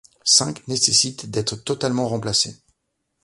Cinq nécessitent d'être totalement remplacées.